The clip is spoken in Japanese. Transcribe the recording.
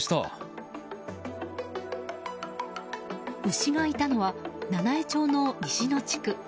牛がいたのは七飯町の西の地区。